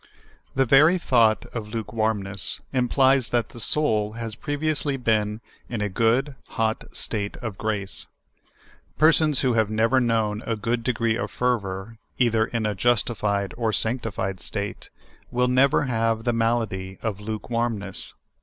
THE very thought of lukewarmiiess implies that the soul has previously been iu a good, hot state of grace. Persons who have never known a good de gree of fervor, either in a justified or sanctified state, will never have the malady of lukewarmness.